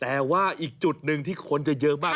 แต่ว่าอีกจุดหนึ่งที่คนจะเยอะมาก